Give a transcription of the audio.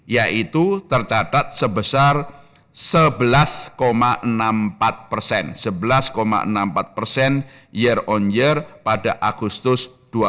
yaitu tercatat sebesar sebelas enam puluh empat persen pada agustus dua ribu dua puluh